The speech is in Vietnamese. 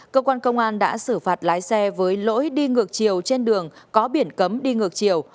cơ quan công an đã xử phạt lái xe với lỗi đi ngược chiều trên đường có biển cấm đi ngược chiều